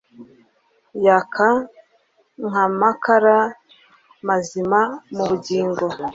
Yaka nkamakara mazima mubugingo